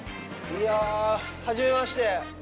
いや。初めまして。